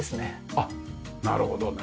あっなるほどね。